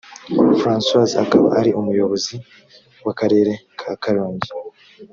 francois akaba ari umuyobozi w akarere ka karongi